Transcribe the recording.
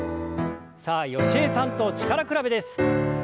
さあ吉江さんと力比べです。